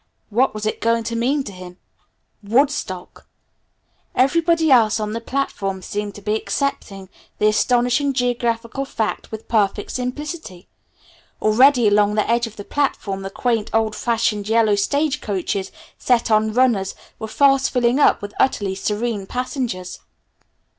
What was it going to mean to him? Woodstock! Everybody else on the platform seemed to be accepting the astonishing geographical fact with perfect simplicity. Already along the edge of the platform the quaint, old fashioned yellow stage coaches set on runners were fast filling up with utterly serene passengers.